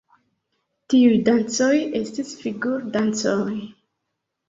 Tiuj dancoj estis figur-dancoj.